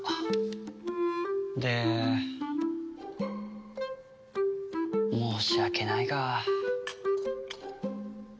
で申し訳ないが。